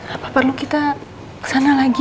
apa perlu kita kesana lagi